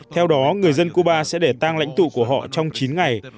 theo đó người dân cuba sẽ để tăng lãnh tụ của họ trong chín ngày